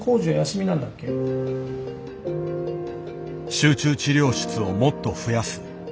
☎集中治療室をもっと増やす。